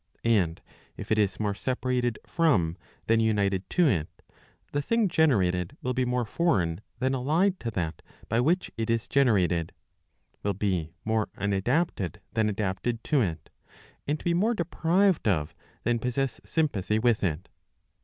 And if it is more separated from than united to it, the thing generated will be more foreign than allied to that by which it is generated, will be more unadapted than adapted to it, and be more deprived of, than possess sympathy with it.